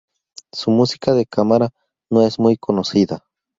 Su música de cámara no es muy conocida.